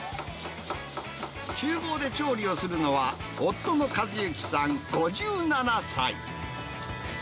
ちゅう房で調理をするのは、夫の和幸さん５７歳。